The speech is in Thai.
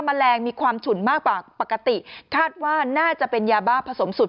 แมลงมีความฉุนมากกว่าปกติคาดว่าน่าจะเป็นยาบ้าผสมสุด